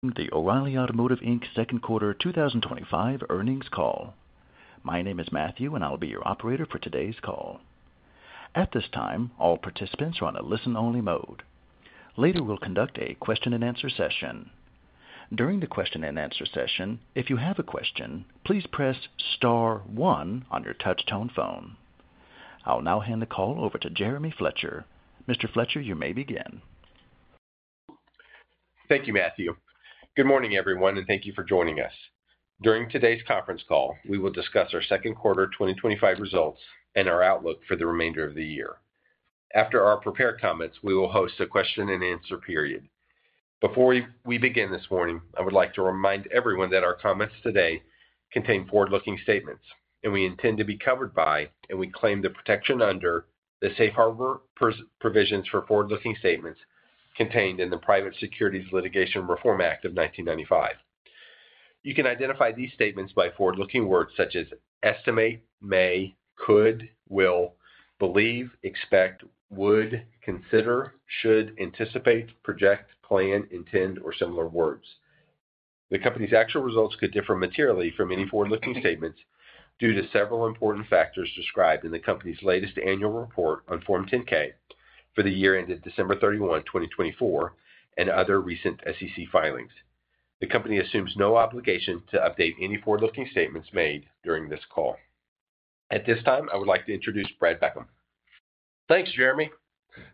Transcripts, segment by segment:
The O'Reilly Automotive Inc second quarter 2025 earnings call. My name is Matthew, and I'll be your operator for today's call. At this time, all participants are on a listen-only mode. Later, we'll conduct a question-and-answer session. During the question-and-answer session, if you have a question, please press star one on your touch-tone phone. I'll now hand the call over to Jeremy Fletcher. Mr. Fletcher, you may begin. Thank you, Matthew. Good morning, everyone, and thank you for joining us. During today's conference call, we will discuss our 2nd quarter 2025 results and our outlook for the remainder of the year. After our prepared comments, we will host a question-and-answer period. Before we begin this morning, I would like to remind everyone that our comments today contain forward-looking statements, and we intend to be covered by, and we claim the protection under, the safe harbor provisions for forward-looking statements contained in the Private Securities Litigation Reform Act of 1995. You can identify these statements by forward-looking words such as estimate, may, could, will, believe, expect, would, consider, should, anticipate, project, plan, intend, or similar words. The company's actual results could differ materially from any forward-looking statements due to several important factors described in the company's latest annual report on Form 10-K for the year ended December 31, 2024, and other recent SEC filings. The company assumes no obligation to update any forward-looking statements made during this call. At this time, I would like to introduce Brad Beckham. Thanks, Jeremy.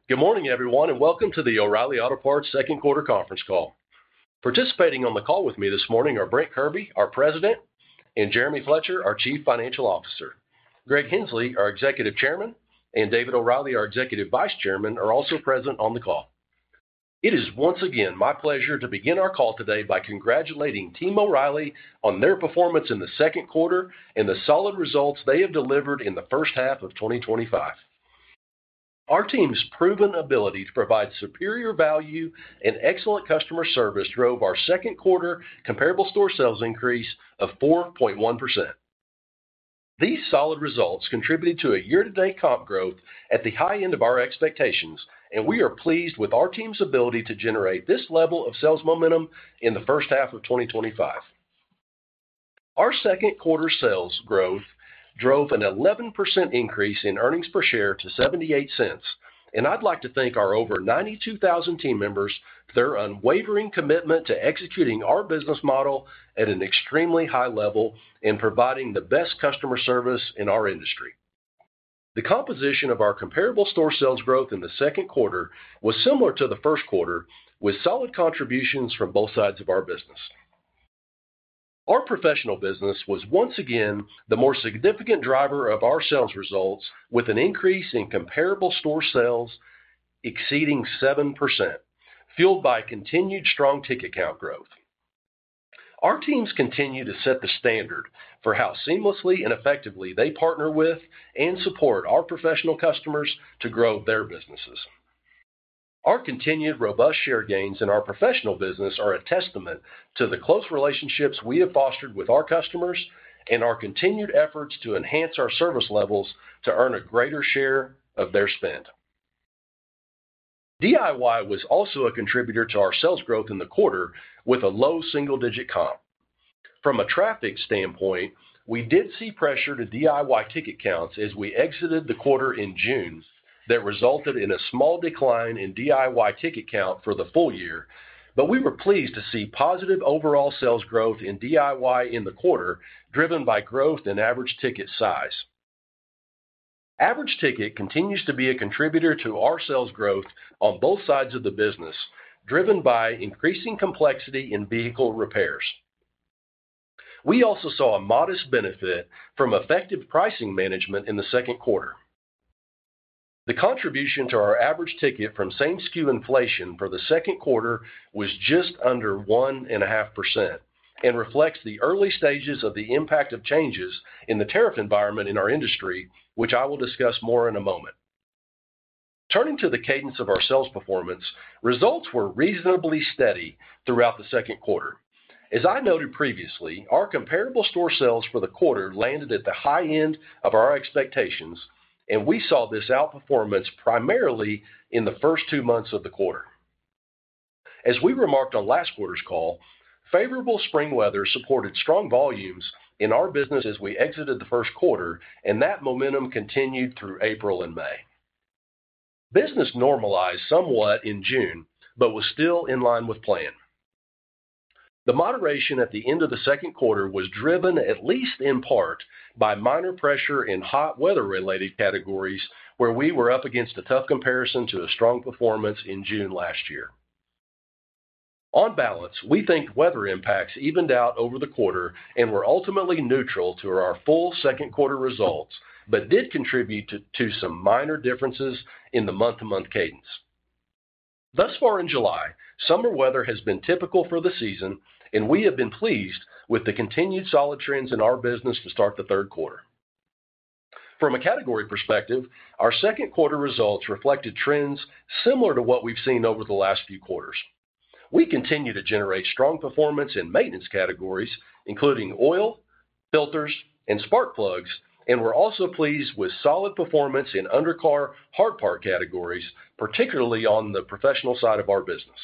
Good morning, everyone, and welcome to the O'Reilly Auto Parts second quarter conference call. Participating on the call with me this morning are Brent Kirby, our President, and Jeremy Fletcher, our Chief Financial Officer. Greg Henslee, our Executive Chairman, and David O'Reilly, our Executive Vice Chairman, are also present on the call. It is once again my pleasure to begin our call today by congratulating Team O'Reilly on their performance in the 2nd quarter and the solid results they have delivered in the 1st half of 2025. Our team's proven ability to provide superior value and excellent customer service drove our 2nd quarter comparable store sales increase of 4.1%. These solid results contributed to a year-to-date comp growth at the high end of our expectations, and we are pleased with our team's ability to generate this level of sales momentum in the 1st half of 2025. Our 2nd quarter sales growth drove an 11% increase in earnings per share to $0.78, and I'd like to thank our over 92,000 team members for their unwavering commitment to executing our business model at an extremely high level and providing the best customer service in our industry. The composition of our comparable store sales growth in the 2nd quarter was similar to the 1st quarter, with solid contributions from both sides of our business. Our professional business was once again the more significant driver of our sales results, with an increase in comparable store sales exceeding 7%, fueled by continued strong ticket count growth. Our teams continue to set the standard for how seamlessly and effectively they partner with and support our professional customers to grow their businesses. Our continued robust share gains in our professional business are a testament to the close relationships we have fostered with our customers and our continued efforts to enhance our service levels to earn a greater share of their spend. DIY was also a contributor to our sales growth in the quarter with a low single-digit comp. From a traffic standpoint, we did see pressure to DIY ticket counts as we exited the quarter in June that resulted in a small decline in DIY ticket count for the full year, but we were pleased to see positive overall sales growth in DIY in the quarter driven by growth in average ticket size. Average ticket continues to be a contributor to our sales growth on both sides of the business, driven by increasing complexity in vehicle repairs. We also saw a modest benefit from effective pricing management in the 2nd quarter. The contribution to our average ticket from same-skew inflation for the 2nd quarter was just under 1.5% and reflects the early stages of the impact of changes in the tariff environment in our industry, which I will discuss more in a moment. Turning to the cadence of our sales performance, results were reasonably steady throughout the 2nd quarter. As I noted previously, our comparable store sales for the quarter landed at the high end of our expectations, and we saw this outperformance primarily in the 1st two months of the quarter. As we remarked on last quarter's call, favorable spring weather supported strong volumes in our business as we exited the 1st quarter, and that momentum continued through April and May. Business normalized somewhat in June but was still in line with plan. The moderation at the end of the 2nd quarter was driven at least in part by minor pressure in hot weather-related categories where we were up against a tough comparison to a strong performance in June last year. On balance, we think weather impacts evened out over the quarter and were ultimately neutral to our full 2nd quarter results but did contribute to some minor differences in the month-to-month cadence. Thus far in July, summer weather has been typical for the season, and we have been pleased with the continued solid trends in our business to start the 3rd quarter. From a category perspective, our 2nd quarter results reflected trends similar to what we've seen over the last few quarters. We continue to generate strong performance in maintenance categories, including oil, filters, and spark plugs, and we're also pleased with solid performance in undercar, hard part categories, particularly on the professional side of our business.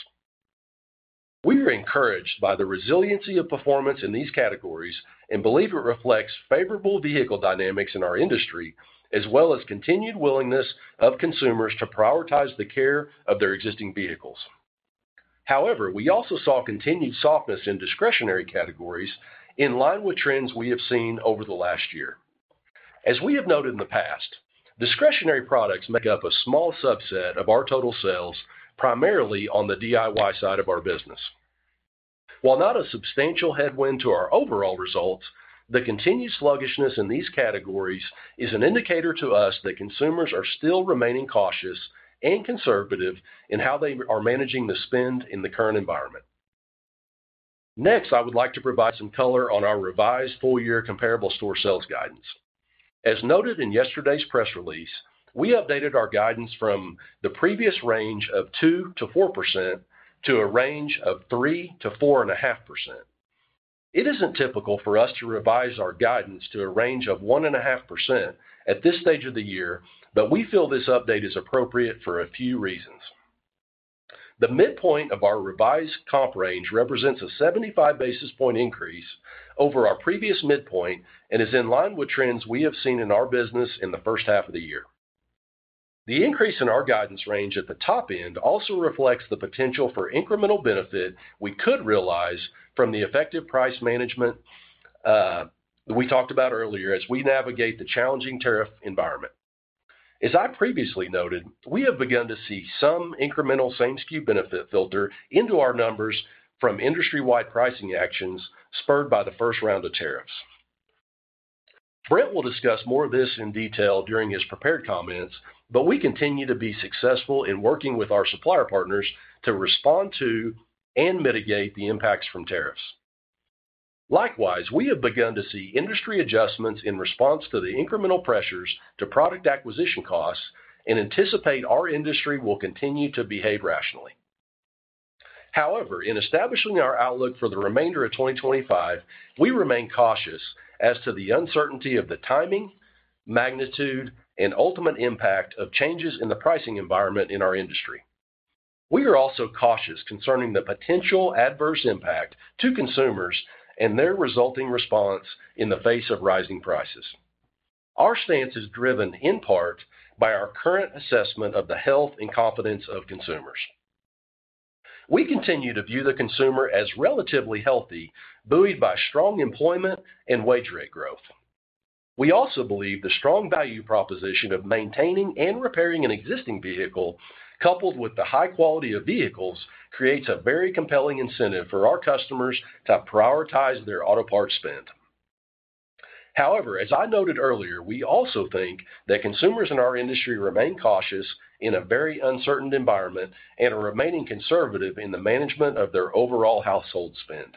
We are encouraged by the resiliency of performance in these categories and believe it reflects favorable vehicle dynamics in our industry, as well as continued willingness of consumers to prioritize the care of their existing vehicles. However, we also saw continued softness in discretionary categories in line with trends we have seen over the last year. As we have noted in the past, discretionary products make up a small subset of our total sales primarily on the DIY side of our business. While not a substantial headwind to our overall results, the continued sluggishness in these categories is an indicator to us that consumers are still remaining cautious and conservative in how they are managing the spend in the current environment. Next, I would like to provide some color on our revised full-year comparable store sales guidance. As noted in yesterday's press release, we updated our guidance from the previous range of 2%-4% to a range of 3-4.5%. It isn't typical for us to revise our guidance to a range of 1.5% at this stage of the year, but we feel this update is appropriate for a few reasons. The midpoint of our revised comp range represents a 75 basis point increase over our previous midpoint and is in line with trends we have seen in our business in the 1st half of the year. The increase in our guidance range at the top end also reflects the potential for incremental benefit we could realize from the effective price management. We talked about earlier as we navigate the challenging tariff environment. As I previously noted, we have begun to see some incremental same-skew benefit filter into our numbers from industry-wide pricing actions spurred by the 1st round of tariffs. Brent will discuss more of this in detail during his prepared comments, but we continue to be successful in working with our supplier partners to respond to and mitigate the impacts from tariffs. Likewise, we have begun to see industry adjustments in response to the incremental pressures to product acquisition costs and anticipate our industry will continue to behave rationally. However, in establishing our outlook for the remainder of 2025, we remain cautious as to the uncertainty of the timing, magnitude, and ultimate impact of changes in the pricing environment in our industry. We are also cautious concerning the potential adverse impact to consumers and their resulting response in the face of rising prices. Our stance is driven in part by our current assessment of the health and confidence of consumers. We continue to view the consumer as relatively healthy, buoyed by strong employment and wage rate growth. We also believe the strong value proposition of maintaining and repairing an existing vehicle coupled with the high quality of vehicles creates a very compelling incentive for our customers to prioritize their auto parts spend. However, as I noted earlier, we also think that consumers in our industry remain cautious in a very uncertain environment and are remaining conservative in the management of their overall household spend.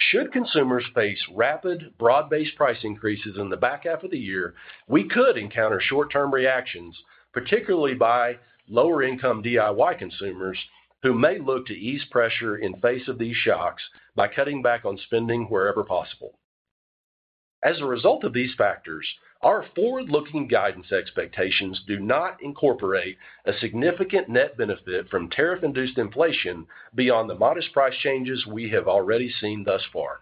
Should consumers face rapid broad-based price increases in the back half of the year, we could encounter short-term reactions, particularly by lower-income DIY consumers who may look to ease pressure in the face of these shocks by cutting back on spending wherever possible. As a result of these factors, our forward-looking guidance expectations do not incorporate a significant net benefit from tariff-induced inflation beyond the modest price changes we have already seen thus far.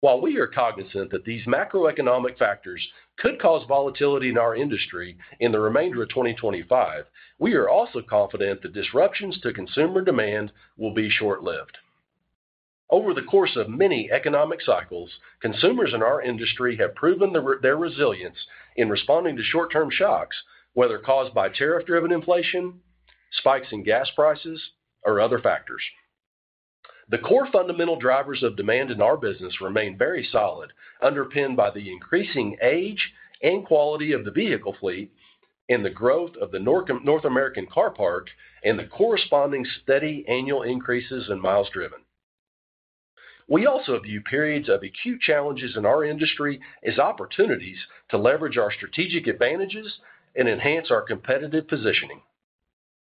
While we are cognizant that these macroeconomic factors could cause volatility in our industry in the remainder of 2025, we are also confident that disruptions to consumer demand will be short-lived. Over the course of many economic cycles, consumers in our industry have proven their resilience in responding to short-term shocks, whether caused by tariff-driven inflation, spikes in gas prices, or other factors. The core fundamental drivers of demand in our business remain very solid, underpinned by the increasing age and quality of the vehicle fleet and the growth of the North American car park and the corresponding steady annual increases in miles driven. We also view periods of acute challenges in our industry as opportunities to leverage our strategic advantages and enhance our competitive positioning.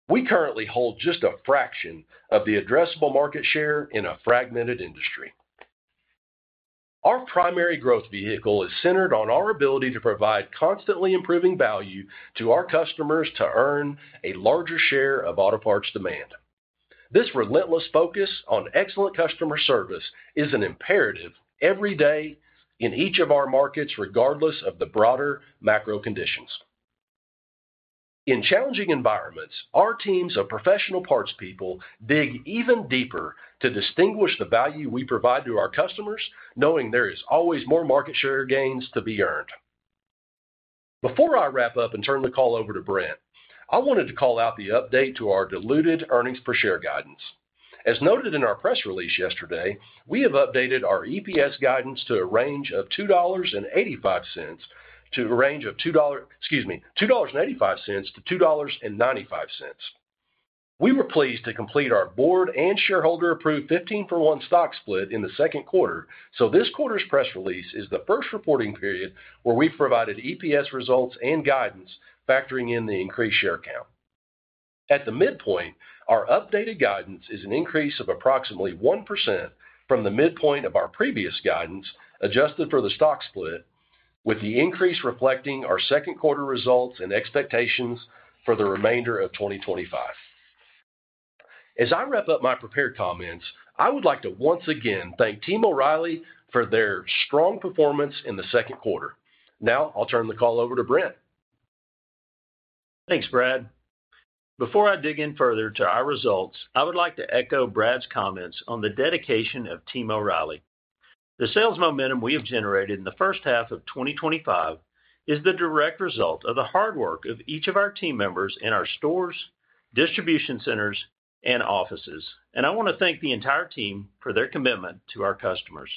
We currently hold just a fraction of the addressable market share in a fragmented industry. Our primary growth vehicle is centered on our ability to provide constantly improving value to our customers to earn a larger share of auto parts demand. This relentless focus on excellent customer service is an imperative every day in each of our markets, regardless of the broader macro conditions. In challenging environments, our teams of professional parts people dig even deeper to distinguish the value we provide to our customers, knowing there is always more market share gains to be earned. Before I wrap up and turn the call over to Brent, I wanted to call out the update to our diluted earnings per share guidance. As noted in our press release yesterday, we have updated our EPS guidance to a range of $2.85-$2.95. We were pleased to complete our board and shareholder-approved 15-for-1 stock split in the 2nd quarter, so this quarter's press release is the 1st reporting period where we've provided EPS results and guidance, factoring in the increased share count. At the midpoint, our updated guidance is an increase of approximately 1% from the midpoint of our previous guidance adjusted for the stock split, with the increase reflecting our 2nd quarter results and expectations for the remainder of 2025. As I wrap up my prepared comments, I would like to once again thank Team O'Reilly for their strong performance in the 2nd quarter. Now, I'll turn the call over to Brent. Thanks, Brad. Before I dig in further to our results, I would like to echo Brad's comments on the dedication of Team O'Reilly. The sales momentum we have generated in the 1st half of 2025 is the direct result of the hard work of each of our team members in our stores, distribution centers, and offices, and I want to thank the entire team for their commitment to our customers.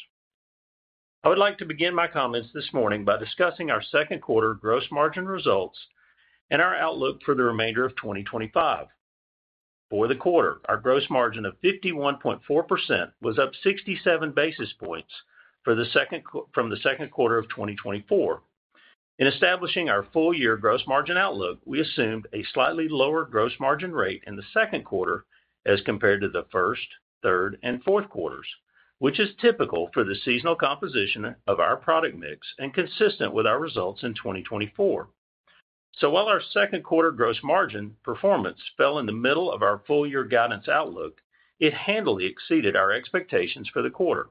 I would like to begin my comments this morning by discussing our 2nd quarter gross margin results and our outlook for the remainder of 2025. For the quarter, our gross margin of 51.4% was up 67 basis points from the 2nd quarter of 2024. In establishing our full-year gross margin outlook, we assumed a slightly lower gross margin rate in the 2nd quarter as compared to the 1st, 3rd, and 4th quarters, which is typical for the seasonal composition of our product mix and consistent with our results in 2024. While our 2nd quarter gross margin performance fell in the middle of our full-year guidance outlook, it handily exceeded our expectations for the quarter.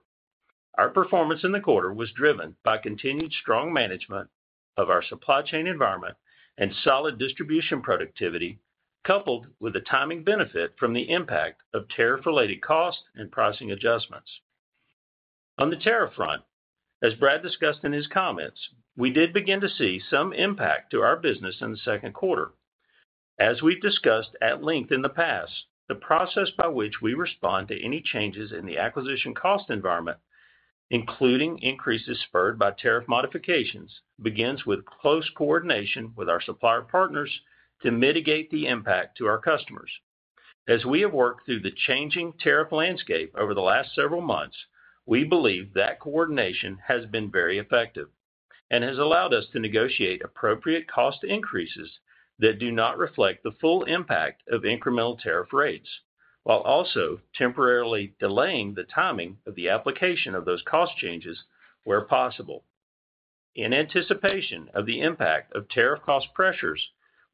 Our performance in the quarter was driven by continued strong management of our supply chain environment and solid distribution productivity, coupled with the timing benefit from the impact of tariff-related costs and pricing adjustments. On the tariff front, as Brad discussed in his comments, we did begin to see some impact to our business in the 2nd quarter. As we've discussed at length in the past, the process by which we respond to any changes in the acquisition cost environment. Including increases spurred by tariff modifications, begins with close coordination with our supplier partners to mitigate the impact to our customers. As we have worked through the changing tariff landscape over the last several months, we believe that coordination has been very effective and has allowed us to negotiate appropriate cost increases that do not reflect the full impact of incremental tariff rates, while also temporarily delaying the timing of the application of those cost changes where possible. In anticipation of the impact of tariff cost pressures,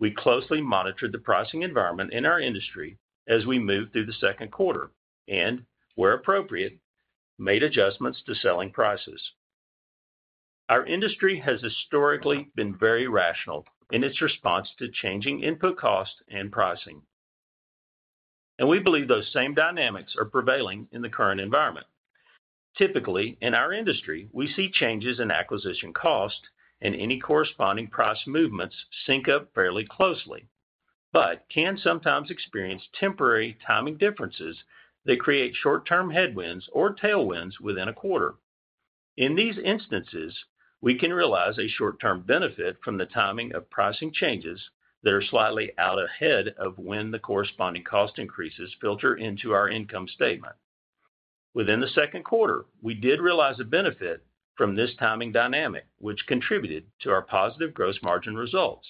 we closely monitored the pricing environment in our industry as we moved through the 2nd quarter and, where appropriate, made adjustments to selling prices. Our industry has historically been very rational in its response to changing input costs and pricing. We believe those same dynamics are prevailing in the current environment. Typically, in our industry, we see changes in acquisition cost and any corresponding price movements sync up fairly closely, but can sometimes experience temporary timing differences that create short-term headwinds or tailwinds within a quarter. In these instances, we can realize a short-term benefit from the timing of pricing changes that are slightly out ahead of when the corresponding cost increases filter into our income statement. Within the 2nd quarter, we did realize a benefit from this timing dynamic, which contributed to our positive gross margin results.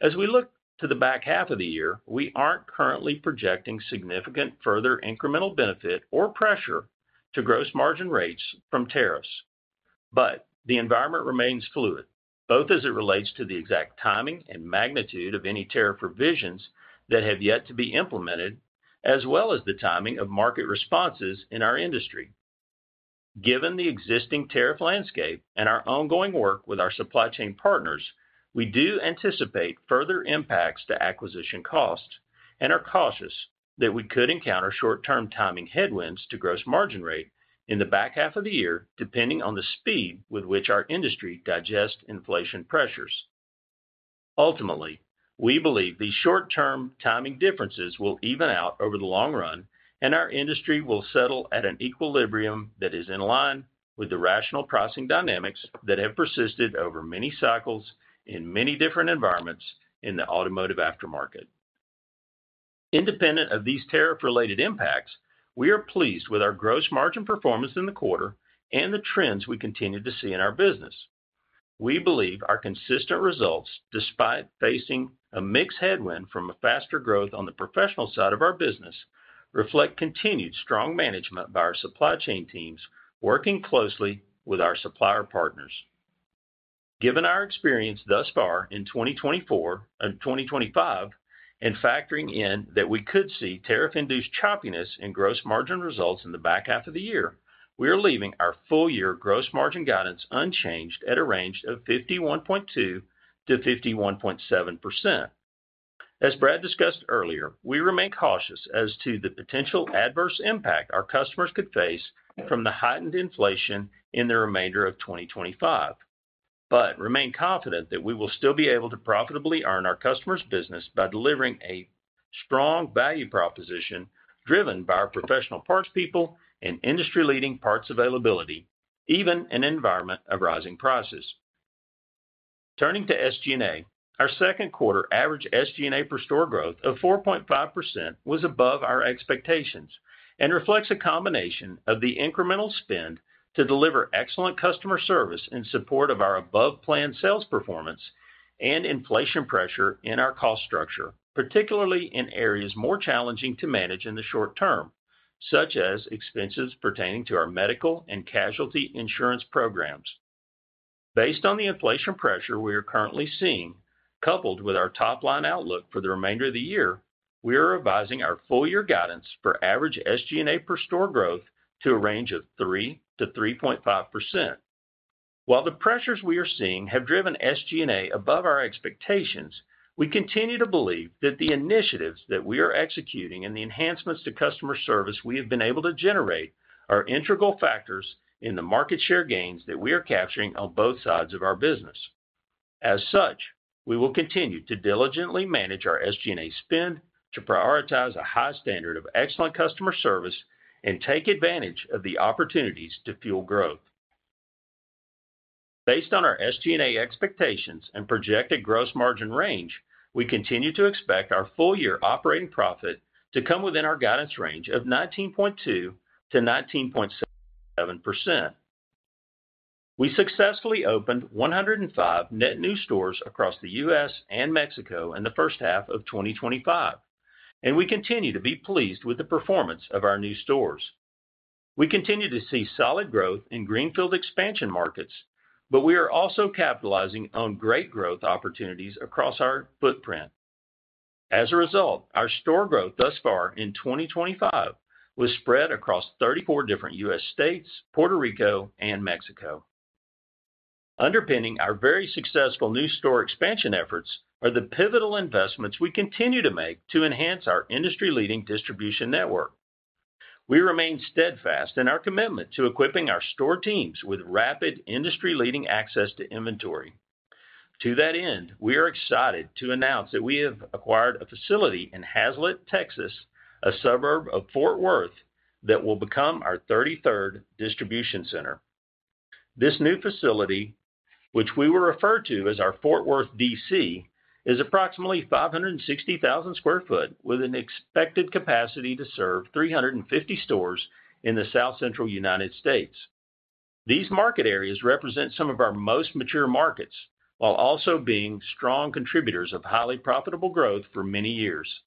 As we look to the back half of the year, we are not currently projecting significant further incremental benefit or pressure to gross margin rates from tariffs, but the environment remains fluid, both as it relates to the exact timing and magnitude of any tariff revisions that have yet to be implemented, as well as the timing of market responses in our industry. Given the existing tariff landscape and our ongoing work with our supply chain partners, we do anticipate further impacts to acquisition costs and are cautious that we could encounter short-term timing headwinds to gross margin rate in the back half of the year, depending on the speed with which our industry digests inflation pressures. Ultimately, we believe these short-term timing differences will even out over the long run, and our industry will settle at an equilibrium that is in line with the rational pricing dynamics that have persisted over many cycles in many different environments in the automotive aftermarket. Independent of these tariff-related impacts, we are pleased with our gross margin performance in the quarter and the trends we continue to see in our business. We believe our consistent results, despite facing a mixed headwind from faster growth on the professional side of our business, reflect continued strong management by our supply chain teams working closely with our supplier partners. Given our experience thus far in 2024 and 2025, and factoring in that we could see tariff-induced choppiness in gross margin results in the back half of the year, we are leaving our full-year gross margin guidance unchanged at a range of 51.2%-51.7%. As Brad discussed earlier, we remain cautious as to the potential adverse impact our customers could face from the heightened inflation in the remainder of 2025. We remain confident that we will still be able to profitably earn our customers' business by delivering a strong value proposition driven by our professional parts people and industry-leading parts availability, even in an environment of rising prices. Turning to SG&A, our 2nd quarter average SG&A per store growth of 4.5% was above our expectations and reflects a combination of the incremental spend to deliver excellent customer service in support of our above-planned sales performance and inflation pressure in our cost structure, particularly in areas more challenging to manage in the short term, such as expenses pertaining to our medical and casualty insurance programs. Based on the inflation pressure we are currently seeing, coupled with our top-line outlook for the remainder of the year, we are revising our full-year guidance for average SG&A per store growth to a range of 3%-3.5%. While the pressures we are seeing have driven SG&A above our expectations, we continue to believe that the initiatives that we are executing and the enhancements to customer service we have been able to generate are integral factors in the market share gains that we are capturing on both sides of our business. As such, we will continue to diligently manage our SG&A spend to prioritize a high standard of excellent customer service and take advantage of the opportunities to fuel growth. Based on our SG&A expectations and projected gross margin range, we continue to expect our full-year operating profit to come within our guidance range of 19.2%-19.7%. We successfully opened 105 net new stores across the U.S. and Mexico in the 1st half of 2025, and we continue to be pleased with the performance of our new stores. We continue to see solid growth in greenfield expansion markets, but we are also capitalizing on great growth opportunities across our footprint. As a result, our store growth thus far in 2025 was spread across 34 different U.S. states, Puerto Rico, and Mexico. Underpinning our very successful new store expansion efforts are the pivotal investments we continue to make to enhance our industry-leading distribution network. We remain steadfast in our commitment to equipping our store teams with rapid industry-leading access to inventory. To that end, we are excited to announce that we have acquired a facility in Haslett, Texas, a suburb of Fort Worth, that will become our 33rd distribution center. This new facility, which we will refer to as our Fort Worth, D.C., is approximately 560,000 sq ft with an expected capacity to serve 350 stores in the South Central United States. These market areas represent some of our most mature markets, while also being strong contributors of highly profitable growth for many years.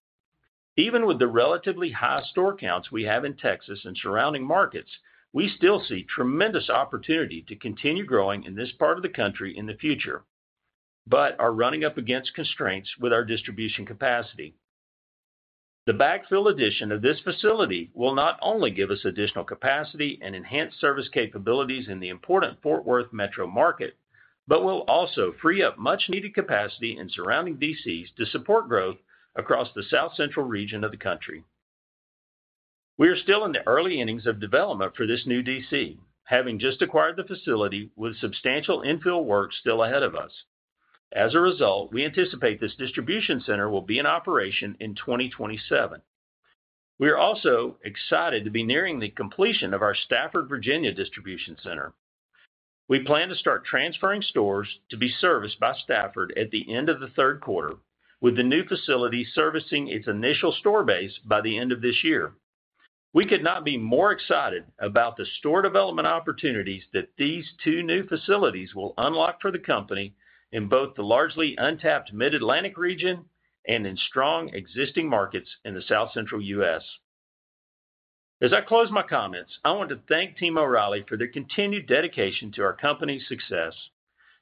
Even with the relatively high store counts we have in Texas and surrounding markets, we still see tremendous opportunity to continue growing in this part of the country in the future. We are running up against constraints with our distribution capacity. The backfill addition of this facility will not only give us additional capacity and enhanced service capabilities in the important Fort Worth metro market, but will also free up much-needed capacity in surrounding D.C. to support growth across the South Central region of the country. We are still in the early innings of development for this new D.C., having just acquired the facility with substantial infill work still ahead of us. As a result, we anticipate this distribution center will be in operation in 2027. We are also excited to be nearing the completion of our Stafford, Virginia distribution center. We plan to start transferring stores to be serviced by Stafford at the end of the 3rd quarter, with the new facility servicing its initial store base by the end of this year. We could not be more excited about the store development opportunities that these two new facilities will unlock for the company in both the largely untapped Mid-Atlantic region and in strong existing markets in the South Central U.S. As I close my comments, I want to thank Team O'Reilly for their continued dedication to our company's success.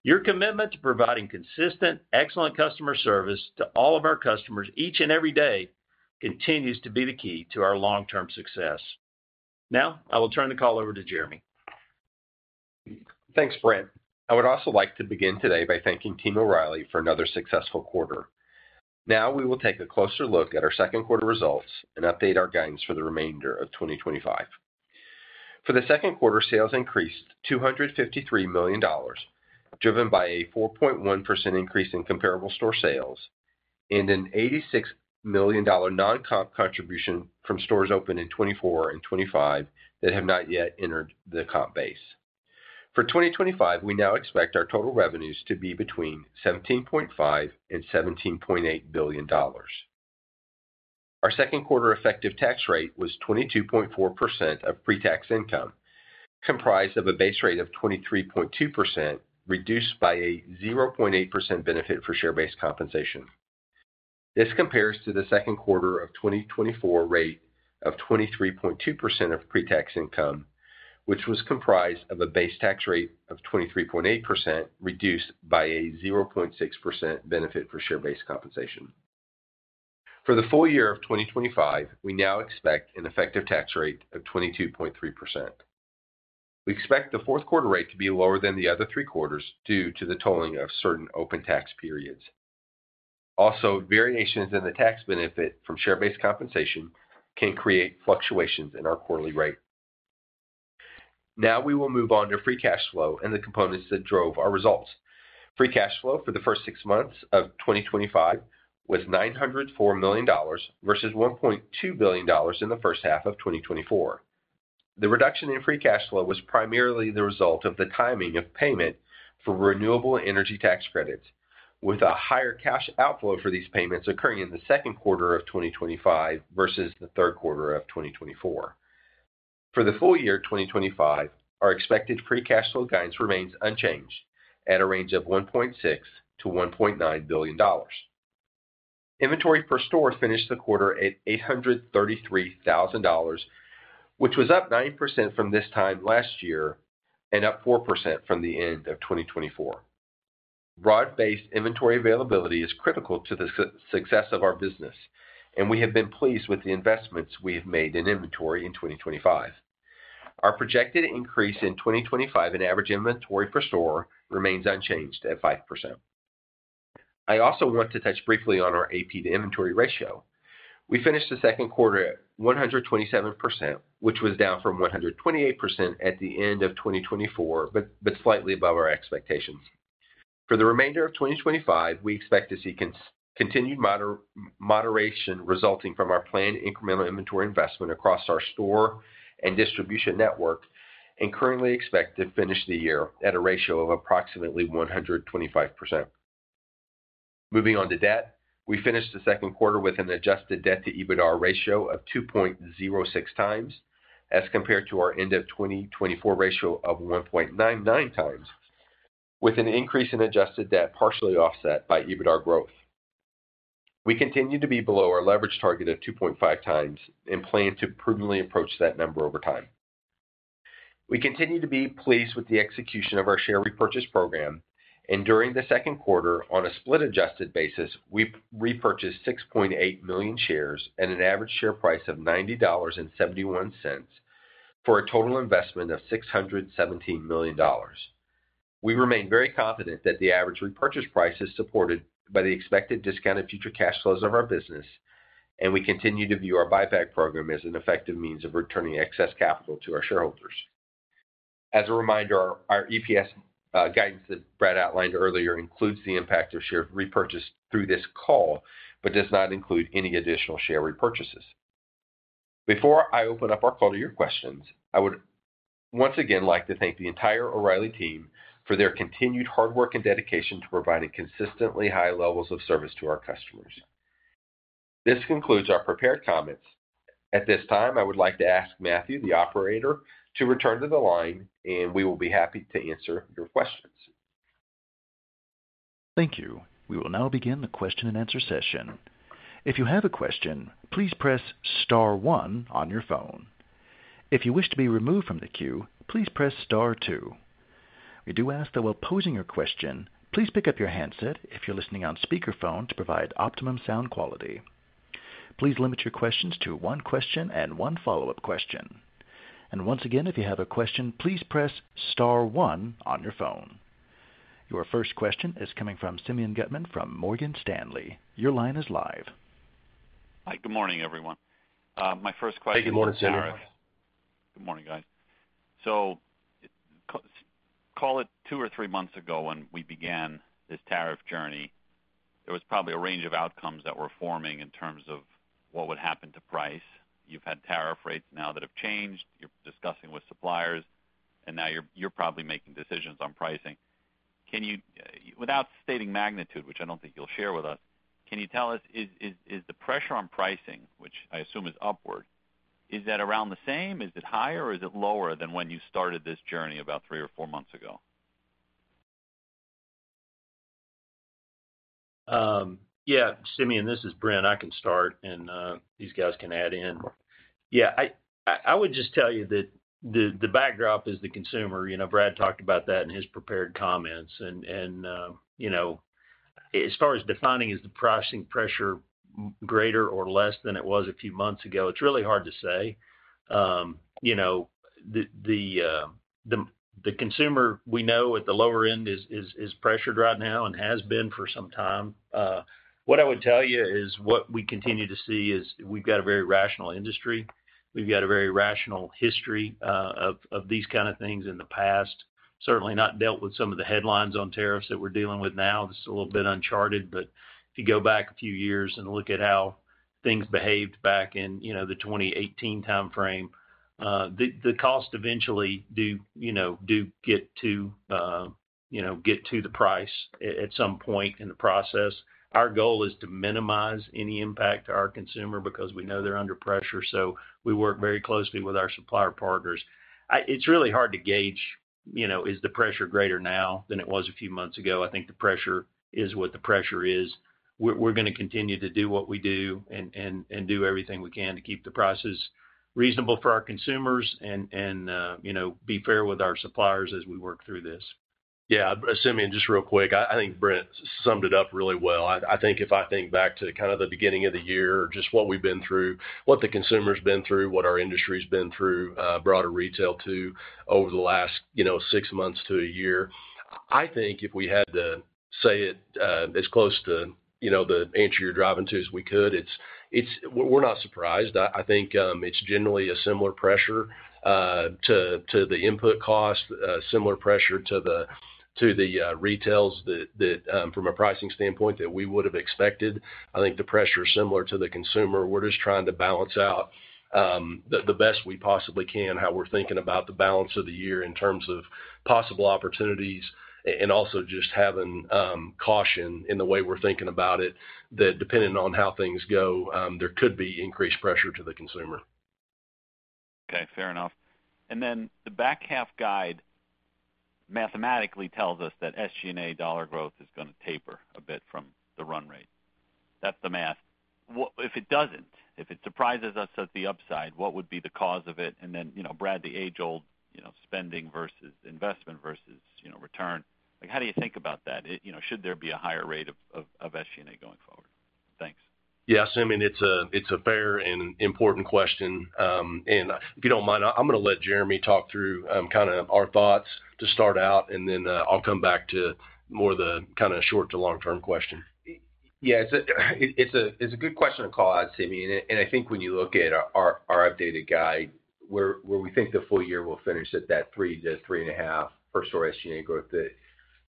Your commitment to providing consistent, excellent customer service to all of our customers each and every day continues to be the key to our long-term success. Now, I will turn the call over to Jeremy. Thanks, Brad. I would also like to begin today by thanking Team O'Reilly for another successful quarter. Now, we will take a closer look at our 2nd quarter results and update our guidance for the remainder of 2025. For the 2nd quarter, sales increased $253 million, driven by a 4.1% increase in comparable store sales and an $86 million non-comp contribution from stores opened in 2024 and 2025 that have not yet entered the comp base. For 2025, we now expect our total revenues to be between $17.5 billion-$17.8 billion. Our 2nd quarter effective tax rate was 22.4% of pre-tax income, comprised of a base rate of 23.2%, reduced by a 0.8% benefit for share-based compensation. This compares to the 2nd quarter of 2024 rate of 23.2% of pre-tax income, which was comprised of a base tax rate of 23.8%, reduced by a 0.6% benefit for share-based compensation. For the full year of 2025, we now expect an effective tax rate of 22.3%. We expect the 4th quarter rate to be lower than the other three quarters due to the tolling of certain open tax periods. Also, variations in the tax benefit from share-based compensation can create fluctuations in our quarterly rate. Now, we will move on to free cash flow and the components that drove our results. Free cash flow for the 1st six months of 2025 was $904 million versus $1.2 billion in the 1st half of 2024. The reduction in free cash flow was primarily the result of the timing of payment for renewable energy tax credits, with a higher cash outflow for these payments occurring in the 2nd quarter of 2025 versus the 3rd quarter of 2024. For the full year 2025, our expected free cash flow guidance remains unchanged at a range of $1.6-$1.9 billion. Inventory per store finished the quarter at $833,000, which was up 9% from this time last year and up 4% from the end of 2024. Broad-based inventory availability is critical to the success of our business, and we have been pleased with the investments we have made in inventory in 2025. Our projected increase in 2025 in average inventory per store remains unchanged at 5%. I also want to touch briefly on our AP to inventory ratio. We finished the 2nd quarter at 127%, which was down from 128% at the end of 2024, but slightly above our expectations. For the remainder of 2025, we expect to see continued moderation resulting from our planned incremental inventory investment across our store and distribution network, and currently expect to finish the year at a ratio of approximately 125%. Moving on to debt, we finished the 2nd quarter with an adjusted debt to EBITDA ratio of 2.06 times as compared to our end of 2024 ratio of 1.99 times, with an increase in adjusted debt partially offset by EBITDA growth. We continue to be below our leverage target of 2.5 times and plan to prudently approach that number over time. We continue to be pleased with the execution of our share repurchase program, and during the 2nd quarter, on a split-adjusted basis, we repurchased 6.8 million shares at an average share price of $90.71 for a total investment of $617 million. We remain very confident that the average repurchase price is supported by the expected discounted future cash flows of our business, and we continue to view our buyback program as an effective means of returning excess capital to our shareholders. As a reminder, our EPS guidance that Brad outlined earlier includes the impact of share repurchase through this call, but does not include any additional share repurchases. Before I open up our call to your questions, I would once again like to thank the entire O'Reilly team for their continued hard work and dedication to providing consistently high levels of service to our customers. This concludes our prepared comments. At this time, I would like to ask Matthew, the operator, to return to the line, and we will be happy to answer your questions. Thank you. We will now begin the question-and-answer session. If you have a question, please press Star 1 on your phone. If you wish to be removed from the queue, please press Star 2. We do ask that while posing your question, please pick up your handset if you're listening on speakerphone to provide optimum sound quality. Please limit your questions to one question and one follow-up question. Once again, if you have a question, please press Star 1 on your phone. Your 1st question is coming from Simeon Gutman from Morgan Stanley. Your line is live. Hi. Good morning, everyone. My 1st question is... Hey. Good morning, Sandra. Good morning, guys. Call it two or three months ago when we began this tariff journey, there was probably a range of outcomes that were forming in terms of what would happen to price. You've had tariff rates now that have changed. You're discussing with suppliers, and now you're probably making decisions on pricing. Without stating magnitude, which I don't think you'll share with us, can you tell us, is the pressure on pricing, which I assume is upward, is that around the same? Is it higher, or is it lower than when you started this journey about three or four months ago? Yeah. Simeon, this is Brent. I can start, and these guys can add in. Yeah. I would just tell you that the backdrop is the consumer. Brad talked about that in his prepared comments. As far as defining is the pricing pressure greater or less than it was a few months ago, it's really hard to say. The consumer we know at the lower end is pressured right now and has been for some time. What I would tell you is what we continue to see is we've got a very rational industry. We've got a very rational history of these kinds of things in the past. Certainly not dealt with some of the headlines on tariffs that we're dealing with now. This is a little bit uncharted, but if you go back a few years and look at how things behaved back in the 2018 timeframe, the cost eventually do get to get to the price at some point in the process. Our goal is to minimize any impact to our consumer because we know they're under pressure, so we work very closely with our supplier partners. It's really hard to gauge, is the pressure greater now than it was a few months ago? I think the pressure is what the pressure is. We're going to continue to do what we do and do everything we can to keep the prices reasonable for our consumers and be fair with our suppliers as we work through this. Yeah. Simeon, just real quick, I think Brent summed it up really well. I think if I think back to kind of the beginning of the year or just what we've been through, what the consumer's been through, what our industry's been through, broader retail too, over the last six months to a year, I think if we had to say it as close to the answer you're driving to as we could, we're not surprised. I think it's generally a similar pressure to the input cost, similar pressure to the retails from a pricing standpoint that we would have expected. I think the pressure is similar to the consumer. We're just trying to balance out the best we possibly can, how we're thinking about the balance of the year in terms of possible opportunities and also just having caution in the way we're thinking about it, that depending on how things go, there could be increased pressure to the consumer. Okay. Fair enough. The back half guide mathematically tells us that SG&A dollar growth is going to taper a bit from the run rate. That's the math. If it doesn't, if it surprises us at the upside, what would be the cause of it? Brad, the age-old spending versus investment versus return, how do you think about that? Should there be a higher rate of SG&A going forward? Thanks. Yeah. Simeon, it's a fair and important question. If you don't mind, I'm going to let Jeremy talk through kind of our thoughts to start out, and then I'll come back to more of the kind of short to long-term question. Yeah. It's a good question to call out, Simeon. I think when you look at our updated guide, where we think the full year will finish at that 3%-3.5% per store SG&A growth that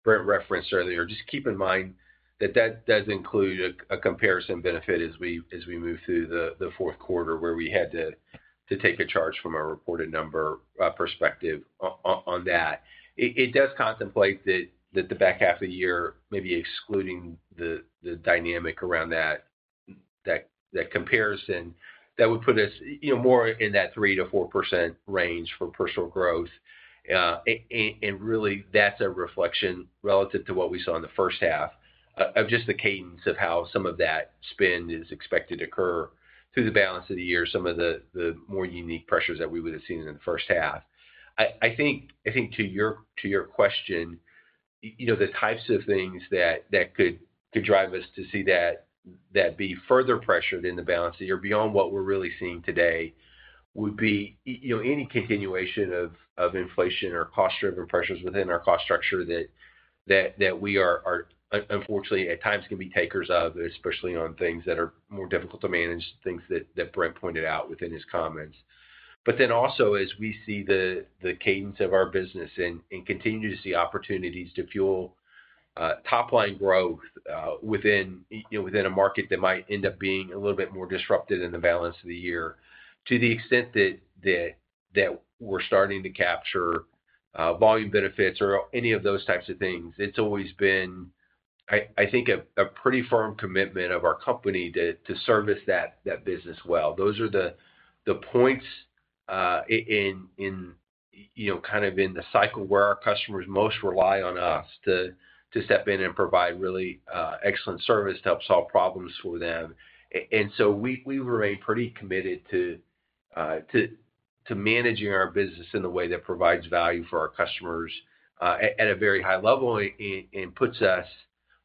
Brent referenced earlier, just keep in mind that that does include a comparison benefit as we move through the 4th quarter where we had to take a charge from our reported number perspective on that. It does contemplate that the back half of the year, maybe excluding the dynamic around that comparison, that would put us more in that 3%-4% range for personal growth. Really, that's a reflection relative to what we saw in the 1st half of just the cadence of how some of that spend is expected to occur through the balance of the year, some of the more unique pressures that we would have seen in the 1st half. I think to your question, the types of things that could drive us to see that be further pressured in the balance of the year beyond what we're really seeing today would be any continuation of inflation or cost-driven pressures within our cost structure that we are unfortunately, at times, can be takers of, especially on things that are more difficult to manage, things that Brent pointed out within his comments. But then also, as we see the cadence of our business and continue to see opportunities to fuel top-line growth within a market that might end up being a little bit more disrupted in the balance of the year, to the extent that we're starting to capture volume benefits or any of those types of things, it's always been, I think, a pretty firm commitment of our company to service that business well. Those are the points in the cycle where our customers most rely on us to step in and provide really excellent service to help solve problems for them. We remain pretty committed to managing our business in the way that provides value for our customers at a very high level and puts us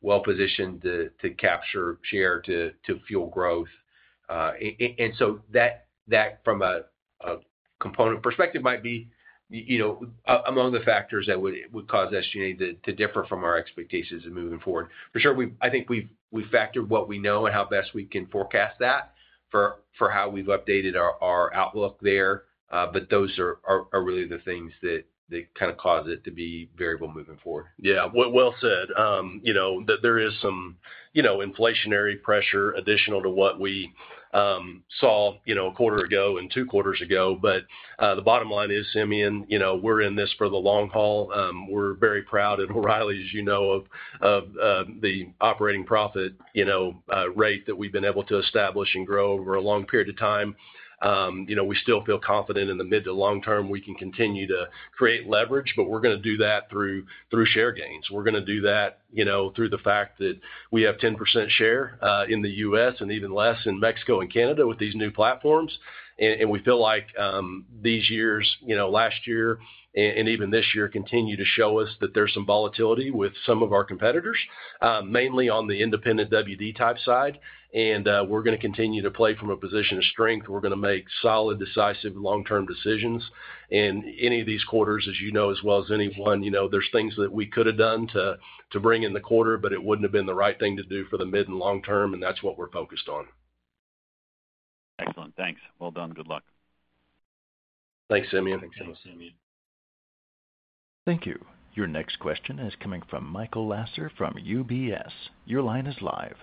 well-positioned to capture share, to fuel growth. That, from a component perspective, might be among the factors that would cause SG&A to differ from our expectations moving forward. For sure, I think we've factored what we know and how best we can forecast that for how we've updated our outlook there, but those are really the things that cause it to be variable moving forward. Yeah. Well said. There is some inflationary pressure additional to what we saw a quarter ago and two quarters ago. The bottom line is, Simeon, we're in this for the long haul. We're very proud at O'Reilly, as you know, of the operating profit rate that we've been able to establish and grow over a long period of time. We still feel confident in the mid to long term. We can continue to create leverage, but we're going to do that through share gains. We're going to do that through the fact that we have 10% share in the US and even less in Mexico and Canada with these new platforms. We feel like these years, last year, and even this year, continue to show us that there's some volatility with some of our competitors, mainly on the independent WD type side. We're going to continue to play from a position of strength. We're going to make solid, decisive, long-term decisions. Any of these quarters, as you know as well as anyone, there's things that we could have done to bring in the quarter, but it wouldn't have been the right thing to do for the mid and long term, and that's what we're focused on. Excellent. Thanks. Well done. Good luck. Thanks, Simeon. Thanks, Simeon. Thank you. Your next question is coming from Michael Lasser from UBS. Your line is live.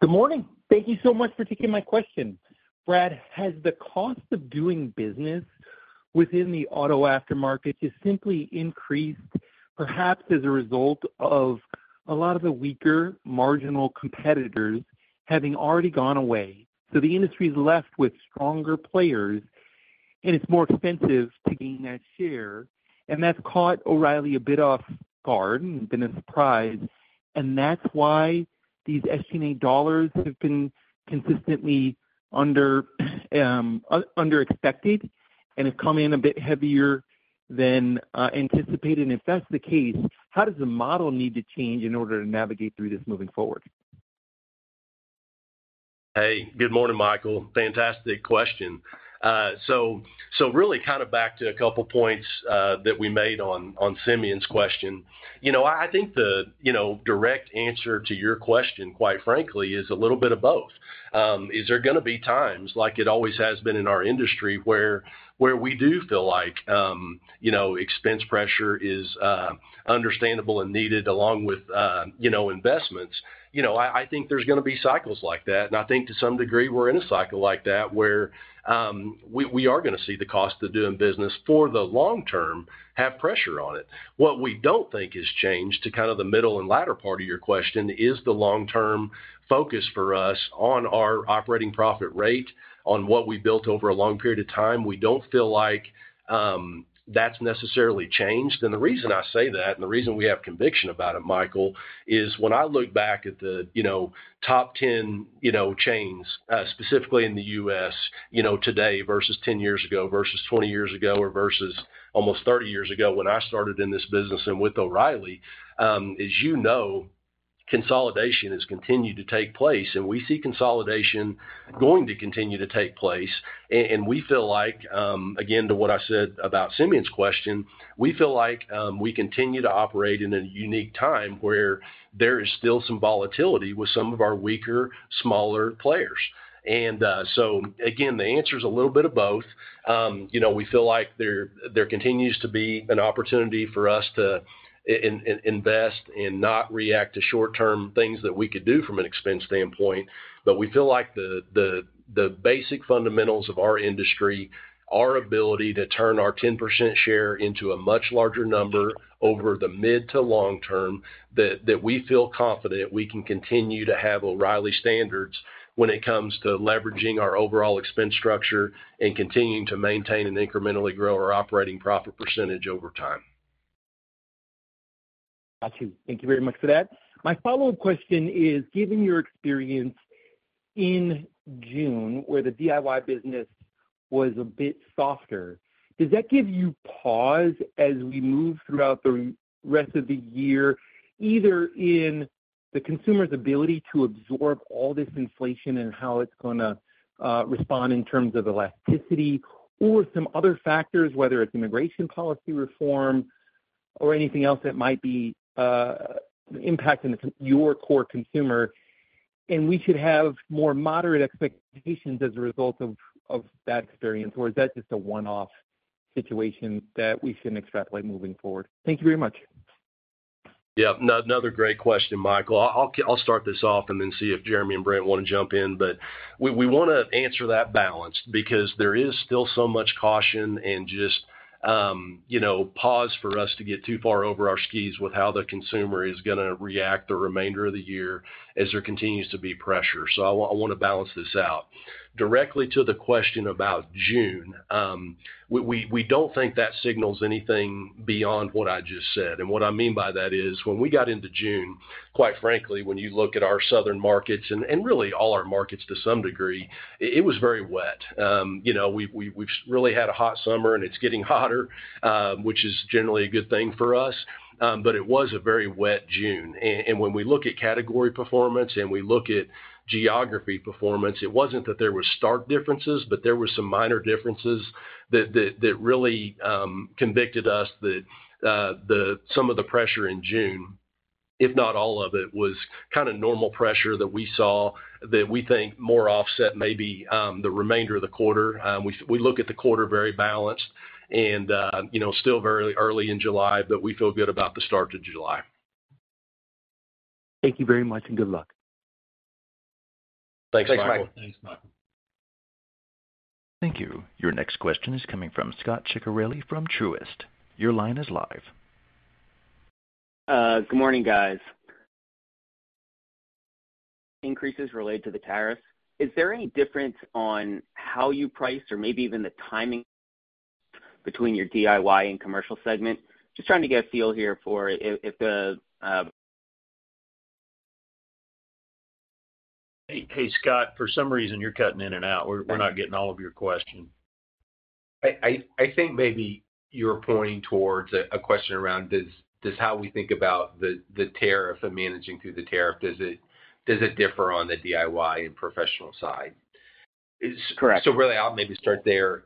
Good morning. Thank you so much for taking my question. Brad, has the cost of doing business within the auto aftermarket just simply increased, perhaps as a result of a lot of the weaker marginal competitors having already gone away? The industry is left with stronger players. It's more expensive to gain that share. That's caught O'Reilly a bit off guard and been a surprise. That's why these SG&A dollars have been consistently underexpected and have come in a bit heavier than anticipated. If that's the case, how does the model need to change in order to navigate through this moving forward? Hey. Good morning, Michael. Fantastic question. Really kind of back to a couple of points that we made on Simeon's question. I think the direct answer to your question, quite frankly, is a little bit of both. Is there going to be times, like it always has been in our industry, where we do feel like expense pressure is understandable and needed along with investments? I think there's going to be cycles like that. I think to some degree, we're in a cycle like that where we are going to see the cost of doing business for the long term have pressure on it. What we don't think has changed to kind of the middle and latter part of your question is the long-term focus for us on our operating profit rate, on what we built over a long period of time. We don't feel like that's necessarily changed. The reason I say that, and the reason we have conviction about it, Michael, is when I look back at the top 10 chains specifically in the U.S. today versus 10 years ago versus 20 years ago or versus almost 30 years ago when I started in this business and with O'Reilly, as you know, consolidation has continued to take place. We see consolidation going to continue to take place. We feel like, again, to what I said about Simeon's question, we feel like we continue to operate in a unique time where there is still some volatility with some of our weaker, smaller players. Again, the answer is a little bit of both. We feel like there continues to be an opportunity for us to invest and not react to short-term things that we could do from an expense standpoint. We feel like the basic fundamentals of our industry, our ability to turn our 10% share into a much larger number over the mid to long term, that we feel confident we can continue to have O'Reilly standards when it comes to leveraging our overall expense structure and continuing to maintain and incrementally grow our operating profit percentage over time. Gotcha. Thank you very much for that. My follow-up question is, given your experience in June where the DIY business was a bit softer, does that give you pause as we move throughout the rest of the year, either in the consumer's ability to absorb all this inflation and how it's going to respond in terms of elasticity or some other factors, whether it's immigration policy reform or anything else that might be. Impacting your core consumer, and we should have more moderate expectations as a result of that experience, or is that just a one-off situation that we shouldn't extrapolate moving forward? Thank you very much. Yeah. Another great question, Michael. I'll start this off and then see if Jeremy and Brent want to jump in, but we want to answer that balance because there is still so much caution and just pause for us to get too far over our skis with how the consumer is going to react the remainder of the year as there continues to be pressure. I want to balance this out. Directly to the question about June. We don't think that signals anything beyond what I just said. What I mean by that is when we got into June, quite frankly, when you look at our southern markets and really all our markets to some degree, it was very wet. We've really had a hot summer, and it's getting hotter, which is generally a good thing for us. It was a very wet June. When we look at category performance and we look at geography performance, it wasn't that there were stark differences, but there were some minor differences that really convicted us that some of the pressure in June, if not all of it, was kind of normal pressure that we saw that we think more offset maybe the remainder of the quarter. We look at the quarter very balanced and still very early in July, but we feel good about the start of July. Thank you very much and good luck. Thanks, Michael. Thanks, Michael. Thank you. Your next question is coming from Scot Ciccarelli from Truist. Your line is live. Good morning, guys. Increases related to the tariffs. Is there any difference on how you price or maybe even the timing [audio cuts off] between your DIY and commercial segment? Just trying to get a feel here for if the— Hey, Scott, for some reason, you're cutting in and out. We're not getting all of your questions. I think maybe you're pointing towards a question around how we think about the tariff and managing through the tariff. Does it differ on the DIY and professional side? Correct. Really, I'll maybe start there.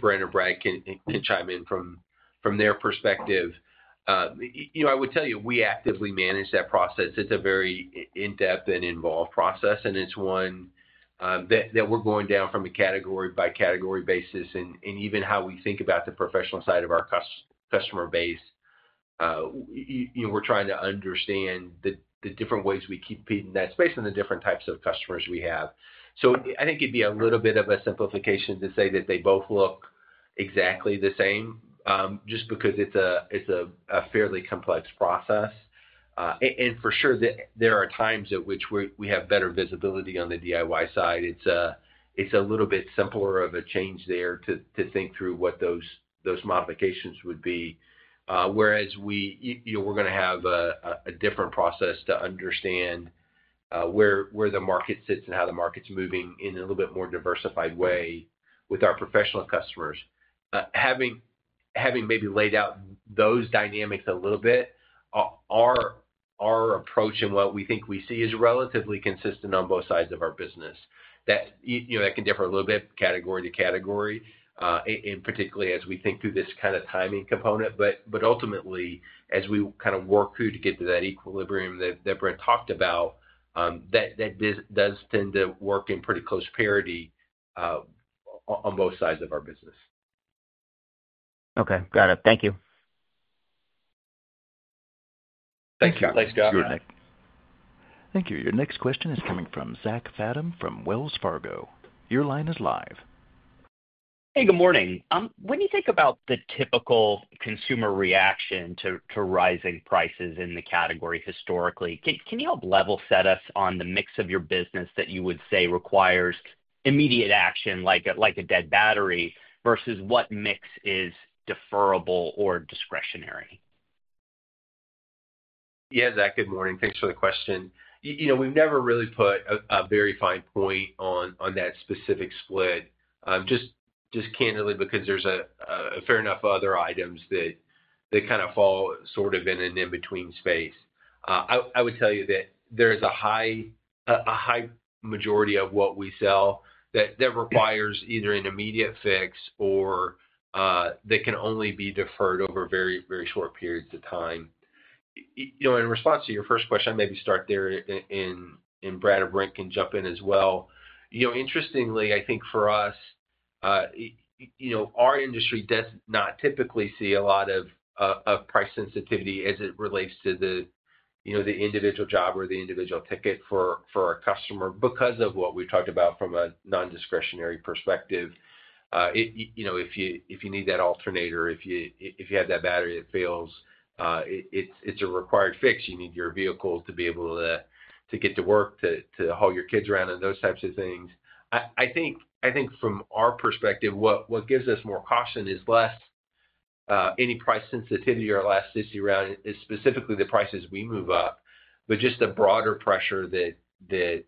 Brent or Brad can chime in from their perspective. I would tell you we actively manage that process. It's a very in-depth and involved process, and it's one that we're going down from a category-by-category basis and even how we think about the professional side of our customer base. We're trying to understand the different ways we keep feeding that space and the different types of customers we have. I think it'd be a little bit of a simplification to say that they both look exactly the same just because it's a fairly complex process. For sure, there are times at which we have better visibility on the DIY side. It's a little bit simpler of a change there to think through what those modifications would be. Whereas, we're going to have a different process to understand where the market sits and how the market's moving in a little bit more diversified way with our professional customers. Having maybe laid out those dynamics a little bit, our approach and what we think we see is relatively consistent on both sides of our business. That can differ a little bit category to category, and particularly as we think through this kind of timing component. Ultimately, as we kind of work through to get to that equilibrium that Brent talked about, that does tend to work in pretty close parity on both sides of our business. Okay. Got it. Thank you. Thank you. Thanks, Scott. Thank you. Your next question is coming from Zach Fadem from Wells Fargo. Your line is live. Hey. Good morning. When you think about the typical consumer reaction to rising prices in the category historically, can you help level set us on the mix of your business that you would say requires immediate action, like a dead battery, versus what mix is deferrable or discretionary? Yeah, Zach, good morning. Thanks for the question. We've never really put a very fine point on that specific split, just candidly, because there's fair enough other items that kind of fall sort of in an in-between space. I would tell you that there is a high majority of what we sell that requires either an immediate fix or that can only be deferred over very, very short periods of time. In response to your 1st question, I maybe start there, and Brad or Brent can jump in as well. Interestingly, I think for us, our industry does not typically see a lot of price sensitivity as it relates to the individual job or the individual ticket for a customer because of what we've talked about from a non-discretionary perspective. If you need that alternator, if you have that battery that fails, it's a required fix. You need your vehicle to be able to get to work, to haul your kids around, and those types of things. I think from our perspective, what gives us more caution is less any price sensitivity or elasticity around it, specifically the prices we move up, but just a broader pressure that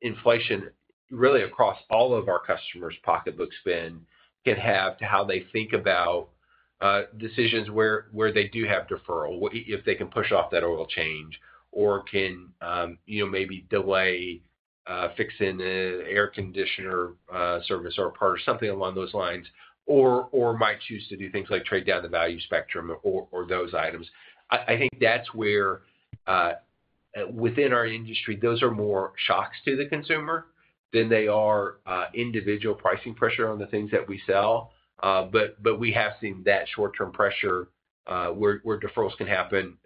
inflation really across all of our customers' pocketbooks can have to how they think about decisions where they do have deferral, if they can push off that oil change, or can maybe delay fixing the air conditioner service or part or something along those lines, or might choose to do things like trade down the value spectrum or those items. I think that's where, within our industry, those are more shocks to the consumer than they are individual pricing pressure on the things that we sell. We have seen that short-term pressure where deferrals can happen,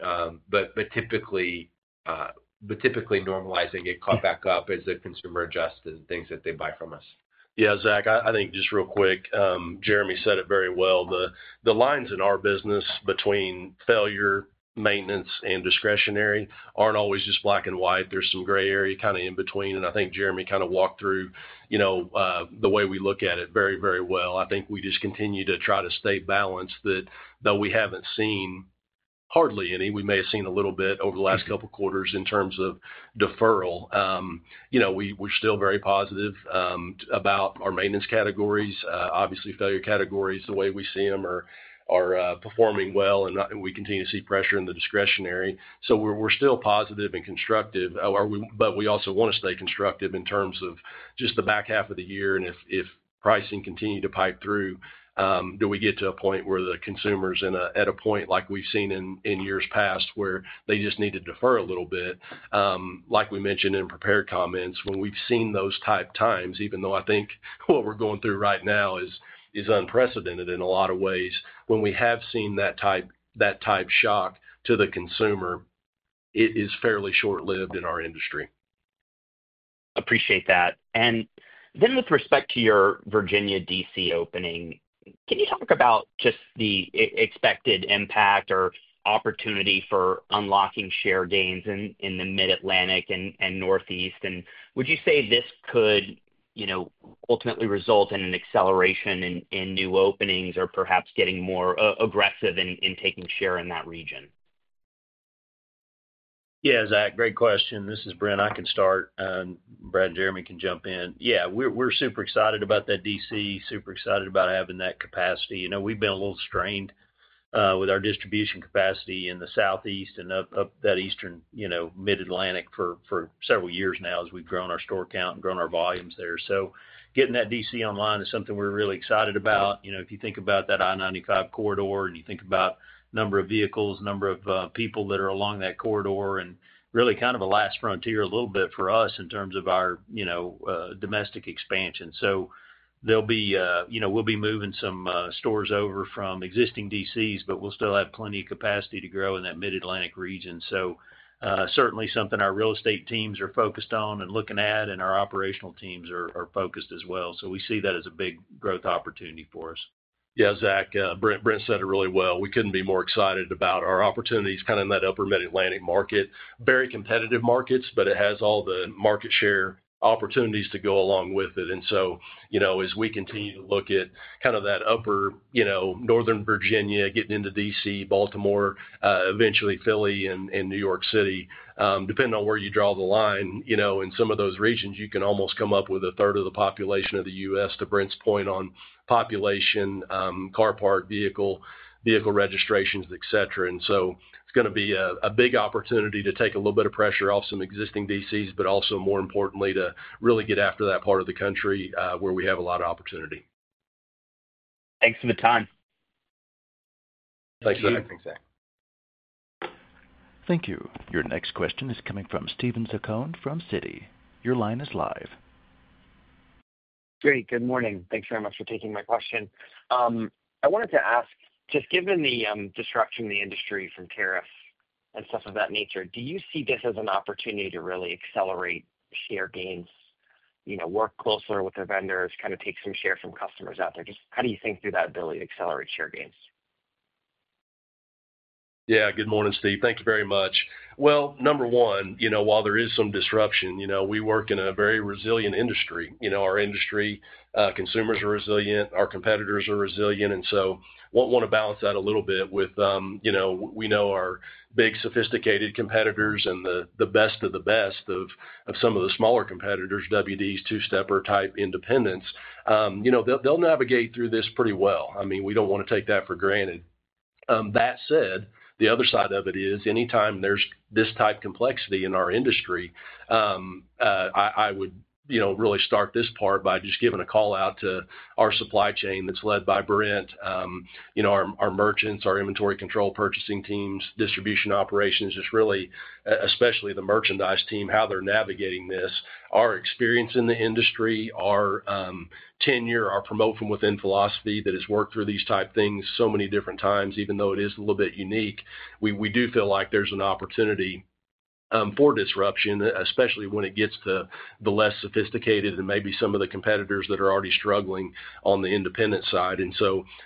but typically. Normalizing it caught back up as the consumer adjusts and things that they buy from us. Yeah, Zach, I think just real quick, Jeremy said it very well. The lines in our business between failure, maintenance, and discretionary are not always just black and white. There is some gray area kind of in between. I think Jeremy kind of walked through the way we look at it very, very well. I think we just continue to try to stay balanced that though we have not seen hardly any, we may have seen a little bit over the last couple of quarters in terms of deferral. We are still very positive about our maintenance categories. Obviously, failure categories, the way we see them, are performing well, and we continue to see pressure in the discretionary. We are still positive and constructive, but we also want to stay constructive in terms of just the back half of the year. If pricing continued to pipe through, do we get to a point where the consumer is at a point like we have seen in years past where they just need to defer a little bit? Like we mentioned in prepared comments, when we have seen those type times, even though I think what we are going through right now is unprecedented in a lot of ways, when we have seen that type shock to the consumer, it is fairly short-lived in our industry. Appreciate that. With respect to your Virginia DC opening, can you talk about just the expected impact or opportunity for unlocking share gains in the Mid-Atlantic and Northeast? Would you say this could ultimately result in an acceleration in new openings or perhaps getting more aggressive in taking share in that region? Yeah, Zach, great question. This is Brent. I can start. Brad and Jeremy can jump in. We are super excited about that DC, super excited about having that capacity. We have been a little strained with our distribution capacity in the Southeast and up that Eastern Mid-Atlantic for several years now as we have grown our store count and grown our volumes there. Getting that DC online is something we are really excited about. If you think about that I-95 corridor and you think about the number of vehicles, number of people that are along that corridor, and really kind of a last frontier a little bit for us in terms of our domestic expansion. We will be moving some stores over from existing DCs, but we will still have plenty of capacity to grow in that Mid-Atlantic region. Certainly something our real estate teams are focused on and looking at, and our operational teams are focused as well. We see that as a big growth opportunity for us. Yeah, Zach, Brent said it really well. We could not be more excited about our opportunities kind of in that upper Mid-Atlantic market. Very competitive markets, but it has all the market share opportunities to go along with it. As we continue to look at kind of that upper Northern Virginia, getting into D.C., Baltimore, eventually Philly and New York City, depending on where you draw the line in some of those regions, you can almost come up with a 1/3 of the population of the U.S., to Brent's point, on population, car park, vehicle registrations, etc. It is going to be a big opportunity to take a little bit of pressure off some existing DCs, but also, more importantly, to really get after that part of the country where we have a lot of opportunity. Thanks for the time. Thanks, Zach. Thank you. Your next question is coming from Stephen Zaccone from Citi. Your line is live. Great. Good morning. Thanks very much for taking my question. I wanted to ask, just given the disruption in the industry from tariffs and stuff of that nature, do you see this as an opportunity to really accelerate share gains, work closer with the vendors, kind of take some share from customers out there? Just how do you think through that ability to accelerate share gains? Yeah. Good morning, Steve. Thank you very much. Number one, while there is some disruption, we work in a very resilient industry. Our industry consumers are resilient. Our competitors are resilient. I want to balance that a little bit with we know our big sophisticated competitors and the best of the best of some of the smaller competitors, WDs, Two-Stepper type independents. They will navigate through this pretty well. I mean, we do not want to take that for granted. That said, the other side of it is anytime there is this type of complexity in our industry. I would really start this part by just giving a call out to our supply chain that is led by Brent. Our merchants, our inventory control purchasing teams, distribution operations, just really, especially the merchandise team, how they are navigating this, our experience in the industry, our tenure, our promotion within philosophy that has worked through these type things so many different times, even though it is a little bit unique, we do feel like there is an opportunity for disruption, especially when it gets to the less sophisticated and maybe some of the competitors that are already struggling on the independent side.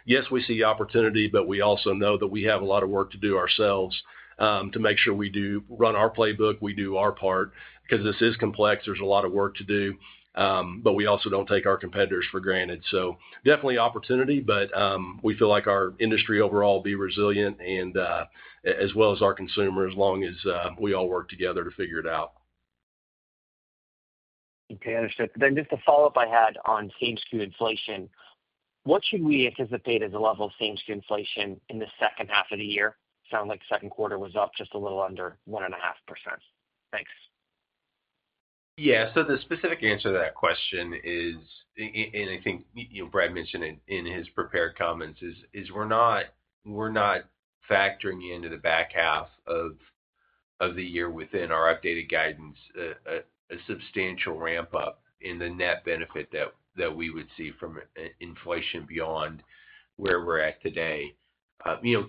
Yes, we see opportunity, but we also know that we have a lot of work to do ourselves to make sure we run our playbook. We do our part because this is complex. There is a lot of work to do. We also do not take our competitors for granted. Definitely opportunity, but we feel like our industry overall will be resilient as well as our consumers as long as we all work together to figure it out. Okay. Understood. Just a follow-up I had on same-skew inflation. What should we anticipate as a level of same-skew inflation in the 2nd half of the year? Sounds like 2nd quarter was up just a little under 1.5%. Thanks. Yeah. The specific answer to that question is, and I think Brad mentioned it in his prepared comments, we're not factoring into the back half of the year within our updated guidance a substantial ramp-up in the net benefit that we would see from inflation beyond where we're at today.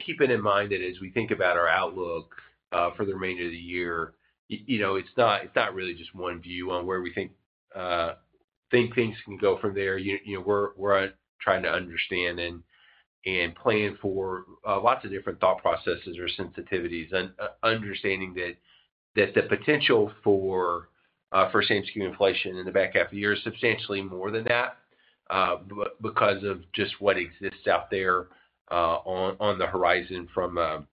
Keeping in mind that as we think about our outlook for the remainder of the year, it's not really just one view on where we think things can go from there. We're trying to understand and plan for lots of different thought processes or sensitivities, understanding that the potential for same-skew inflation in the back half of the year is substantially more than that because of just what exists out there on the horizon from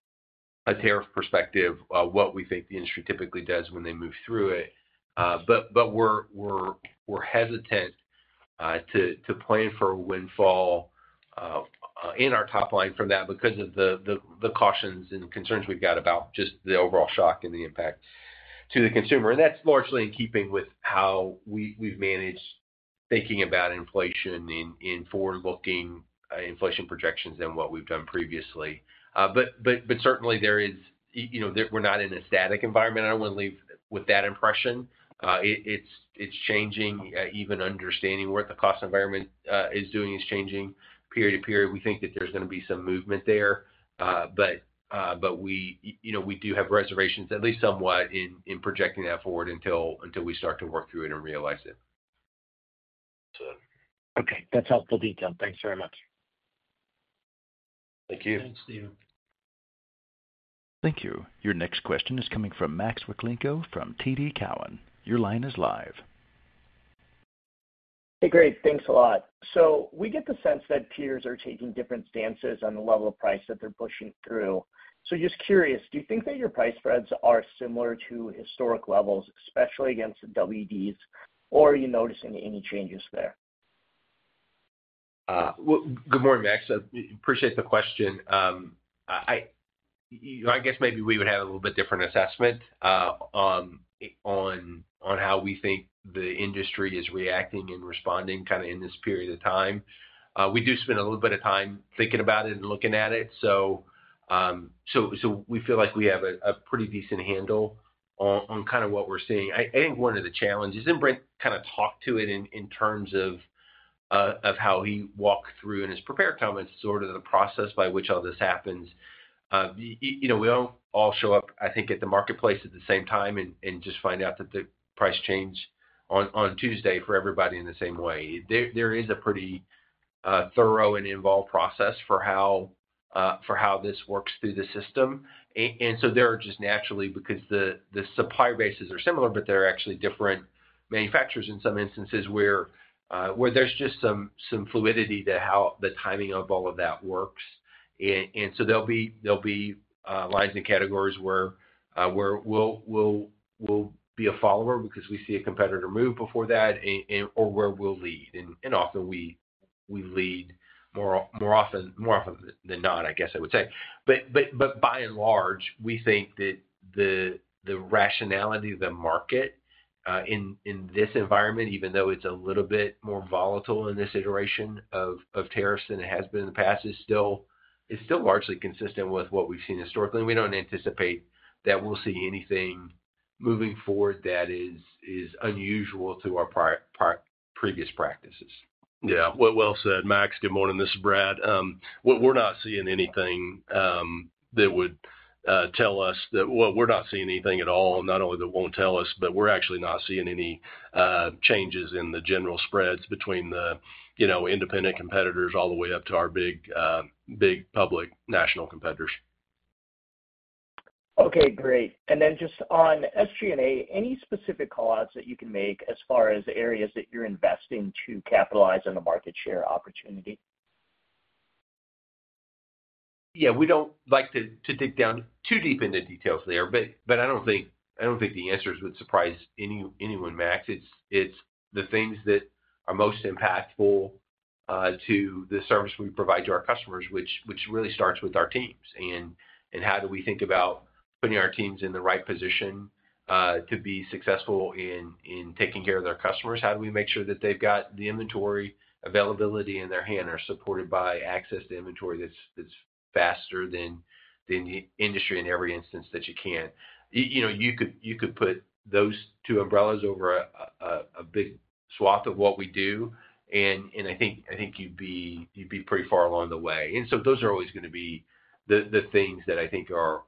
a tariff perspective, what we think the industry typically does when they move through it. We're hesitant to plan for a windfall in our top line from that because of the cautions and concerns we've got about just the overall shock and the impact to the consumer. That's largely in keeping with how we've managed thinking about inflation and forward-looking inflation projections than what we've done previously. Certainly, we're not in a static environment. I don't want to leave with that impression. It's changing. Even understanding what the cost environment is doing is changing period to period. We think that there's going to be some movement there. We do have reservations, at least somewhat, in projecting that forward until we start to work through it and realize it. Okay. That's helpful detail. Thanks very much. Thank you. Thanks, Steven. Thank you. Your next question is coming from Max Rakhlenko from TD Cowen. Your line is live. Hey, great. Thanks a lot. We get the sense that tiers are taking different stances on the level of price that they're pushing through. Just curious, do you think that your price spreads are similar to historic levels, especially against WDs, or are you noticing any changes there? Good morning, Max. Appreciate the question. I guess maybe we would have a little bit different assessment on how we think the industry is reacting and responding kind of in this period of time. We do spend a little bit of time thinking about it and looking at it. We feel like we have a pretty decent handle on kind of what we're seeing. I think one of the challenges, and Brent kind of talked to it in terms of how he walked through in his prepared comments sort of the process by which all this happens, we don't all show up, I think, at the marketplace at the same time and just find out that the price changed on Tuesday for everybody in the same way. There is a pretty thorough and involved process for how this works through the system. There are just naturally, because the supplier bases are similar, but there are actually different manufacturers in some instances where, there's just some fluidity to how the timing of all of that works. There will be lines and categories where we'll be a follower because we see a competitor move before that or where we'll lead. Often we lead more often than not, I guess I would say. By and large, we think that the rationality of the market in this environment, even though it's a little bit more volatile in this iteration of tariffs than it has been in the past, is still largely consistent with what we've seen historically. We do not anticipate that we'll see anything moving forward that is unusual to our previous practices. Yeah. Well said. Max, good morning. This is Brad. We're not seeing anything that would tell us that—well, we're not seeing anything at all. Not only that won't tell us, but we're actually not seeing any changes in the general spreads between the independent competitors all the way up to our big public national competitors. Okay. Great. And then just on SG&A, any specific callouts that you can make as far as areas that you're investing to capitalize on the market share opportunity? Yeah. We don't like to dig down too deep into details there, but I don't think the answers would surprise anyone, Max. It's the things that are most impactful to the service we provide to our customers, which really starts with our teams. How do we think about putting our teams in the right position to be successful in taking care of their customers? How do we make sure that they've got the inventory availability in their hand or supported by access to inventory that's faster than the industry in every instance that you can? You could put those two umbrellas over a big swath of what we do, and I think you'd be pretty far along the way. Those are always going to be the things that I think are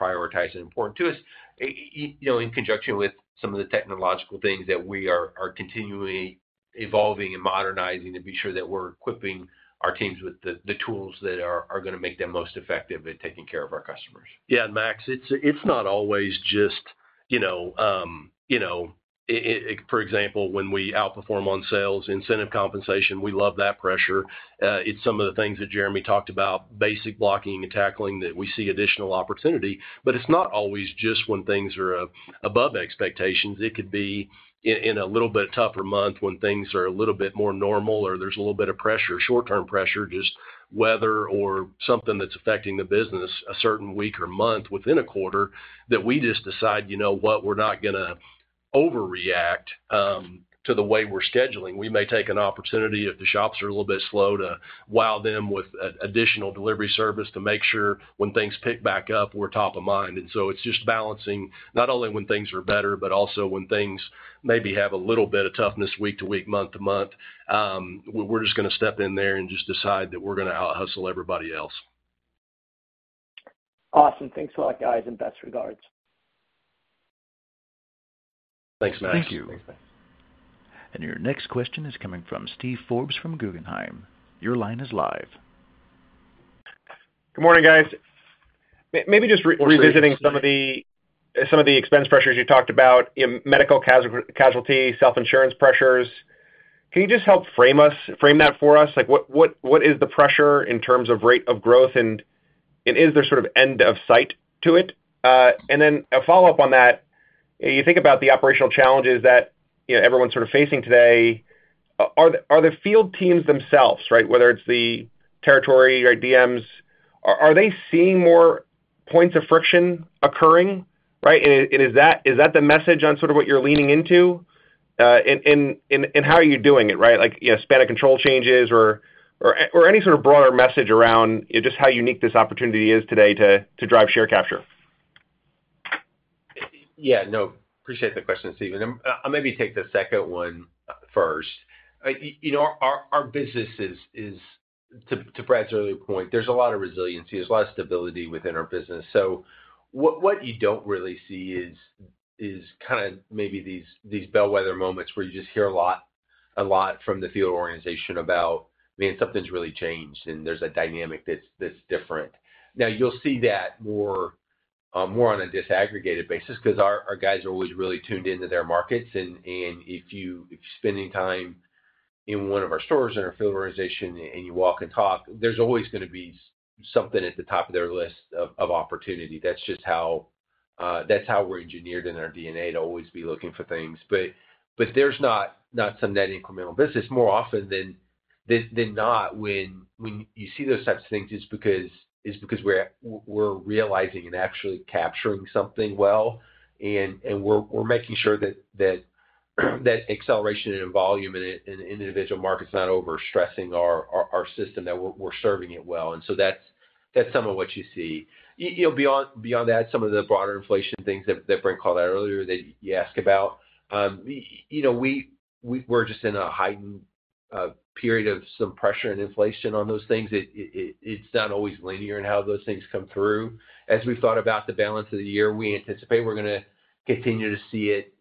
prioritized and important to us, in conjunction with some of the technological things that we are continually evolving and modernizing to be sure that we're equipping our teams with the tools that are going to make them most effective at taking care of our customers. Yeah, and Max, it's not always just, for example, when we outperform on sales, incentive compensation, we love that pressure. It's some of the things that Jeremy talked about, basic blocking and tackling that we see additional opportunity. It's not always just when things are above expectations. It could be in a little bit tougher month when things are a little bit more normal or there's a little bit of pressure, short-term pressure, just weather or something that's affecting the business a certain week or month within a quarter that we just decide, you know what, we're not going to overreact to the way we're scheduling. We may take an opportunity if the shops are a little bit slow to wow them with additional delivery service to make sure when things pick back up, we're top of mind. It's just balancing not only when things are better, but also when things maybe have a little bit of toughness week to week, month to month. We're just going to step in there and just decide that we're going to out-hustle everybody else. Awesome. Thanks a lot, guys, and best regards. Thanks, Max. Thank you. Thanks, guys. Your next question is coming from Steve Forbes from Guggenheim. Your line is live. Good morning, guys. Maybe just revisiting some of the expense pressures you talked about, medical casualty, self-insurance pressures. Can you just help frame that for us? What is the pressure in terms of rate of growth, and is there sort of end of sight to it? A follow-up on that. You think about the operational challenges that everyone's sort of facing today. Are the field teams themselves, right, whether it's the territory, DMs, are they seeing more points of friction occurring? Is that the message on sort of what you're leaning into? How are you doing it, right, like span of control changes or any sort of broader message around just how unique this opportunity is today to drive share capture? Yeah. No. Appreciate the question, Steven. I'll maybe take the 2nd one first. Our business is, to Brad's earlier point, there's a lot of resiliency. There's a lot of stability within our business. What you don't really see is kind of maybe these bellwether moments where you just hear a lot from the field organization about, "Man, something's really changed," and there's a dynamic that's different. Now, you'll see that more on a disaggregated basis because our guys are always really tuned into their markets. If you spend any time in one of our stores in our field organization and you walk and talk, there's always going to be something at the top of their list of opportunity. That's just how we're engineered in our DNA to always be looking for things. There's not some net incremental business. More often than not when you see those types of things, it's because we're realizing and actually capturing something well. We're making sure that acceleration and volume in an individual market's not overstressing our system, that we're serving it well. That's some of what you see. Beyond that, some of the broader inflation things that Brent called out earlier that you asked about. We're just in a heightened period of some pressure and inflation on those things. It's not always linear in how those things come through. As we've thought about the balance of the year, we anticipate we're going to continue to see it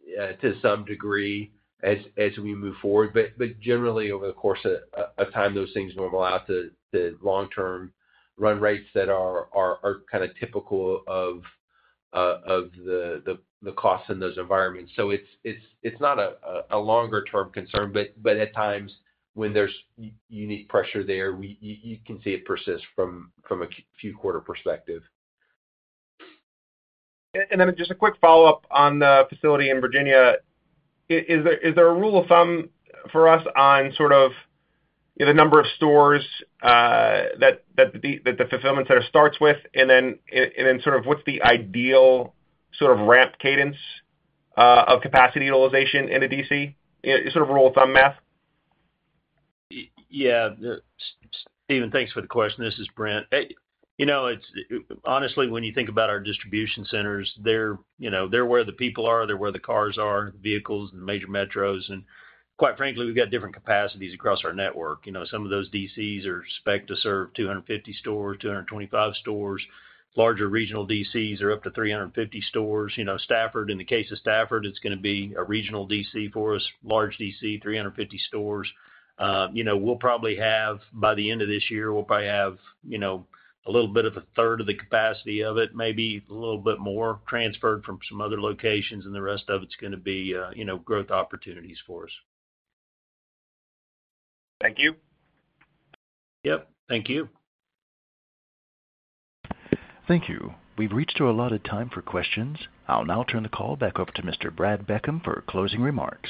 to some degree as we move forward. But generally, over the course of time, those things normalize to long-term run rates that are kind of typical of the costs in those environments. So it's not a longer-term concern, but at times, when there's unique pressure there, you can see it persist from a few-quarter perspective. And then just a quick follow-up on the facility in Virginia. Is there a rule of thumb for us on sort of the number of stores that the fulfillment center starts with, and then sort of what's the ideal sort of ramp cadence of capacity utilization in a DC? Sort of rule of thumb math. Yeah. Steven, thanks for the question. This is Brent. Honestly, when you think about our distribution centers, they're where the people are. They're where the cars are, the vehicles, and the major metros. And quite frankly, we've got different capacities across our network. Some of those DCs are spec'd to serve 250 stores, 225 stores. Larger regional DCs are up to 350 stores. Stafford, in the case of Stafford, it's going to be a regional DC for us, large DC, 350 stores. We'll probably have, by the end of this year, we'll probably have a little bit of a 3rd of the capacity of it, maybe a little bit more transferred from some other locations, and the rest of it's going to be growth opportunities for us. Thank you. Yep. Thank you. Thank you. We've reached a lot of time for questions. I'll now turn the call back over to Mr. Brad Beckham for closing remarks.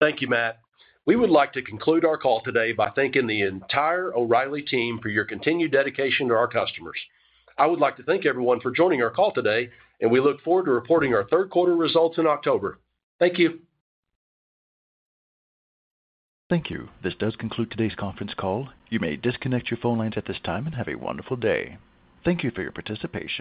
Thank you, Matt. We would like to conclude our call today by thanking the entire O'Reilly team for your continued dedication to our customers. I would like to thank everyone for joining our call today, and we look forward to reporting our 3rd-quarter results in October. Thank you. Thank you. This does conclude today's conference call. You may disconnect your phone lines at this time and have a wonderful day. Thank you for your participation.